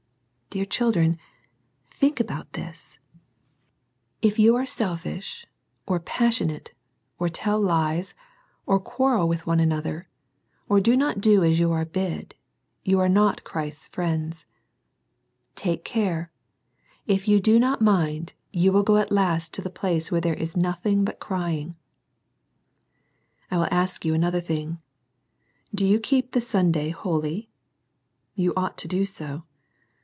Dear children^ think about this \ li ^ou 2:1^ ^l^h^ NO MORE CRYING. 7 1 or passionate, or tell lies, or quarrel with one another, or do not do as you are bid, you are not Christ's friends. Take care. If you do not mind, you will go at last to the place where there is nothing but " crying." I will ask you another thing, — Do you keep the Sunday holy? You ought to do so.